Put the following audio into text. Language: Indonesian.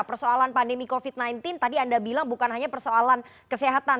persoalan pandemi covid sembilan belas tadi anda bilang bukan hanya persoalan kesehatan